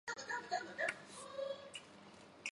鹤园角北帝庙目前由华人庙宇委员会管理。